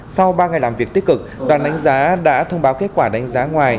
sau ba ngày làm việc tích cực đoàn đánh giá đã thông báo kết quả đánh giá ngoài